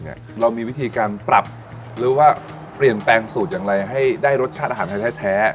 ให้ได้รสชาติอาหารให้แท้